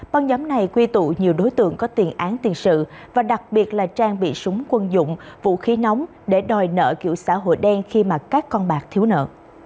băng nhóm này quy tụ nhiều đối tượng có tiền án tiền sự và đặc biệt là trang bị súng quân dụng vũ khí nóng để đòi nợ kiểu xã hội đen khi mà các con bạc thiếu nợ